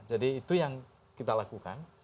itu yang kita lakukan